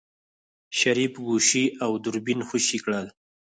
شريف ګوشي او دوربين خوشې کړل.